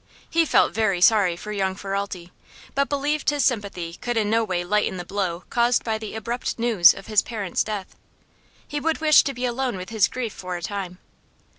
He felt very sorry for young Ferralti, but believed his sympathy could in no way lighten the blow caused by the abrupt news of his parent's death. He would wish to be alone with his grief for a time.